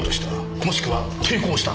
もしくは抵抗した。